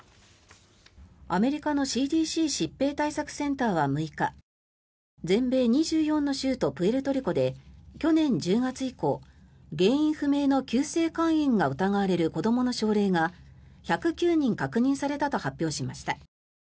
アメリカのＣＤＣ・疾病対策センターは６日全米２４の州とプエルトリコで去年１０月以降原因不明の急性肝炎が疑われる子どもの症例が１０９人確認されたと発表しました。